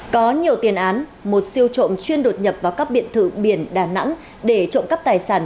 có nhiều tiền án một siêu trộm chuyên đột nhập vào các biệt thự biển đà nẵng để trộm cắp tài sản